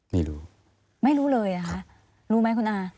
ไม่รู้ไม่รู้เลยอะค่ะรู้ไหมคุณอา